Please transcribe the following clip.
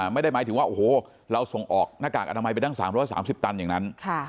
ไม่ได้หมายถึงว่าโอ้โหเราส่งออกหน้ากากอนามัยไปตั้ง๓๓๐ตันอย่างนั้น